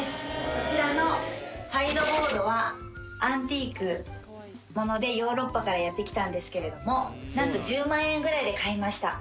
こちらのサイドボードはアンティーク物でヨーロッパからやって来たんですけれどもなんと１０万円ぐらいで買いました。